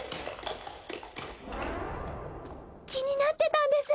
気になってたんです。